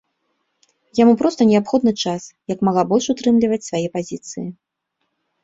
Яму проста неабходны час, як мага больш утрымліваць свае пазіцыі.